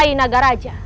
menguasai naga raja